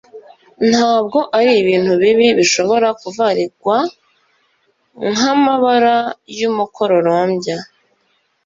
ntabwo ari ibintu bibiri bishobora kuvarigwa nk'amabara y'umukororombya.